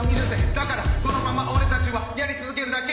だからこのまま俺たちはやり続けるだけ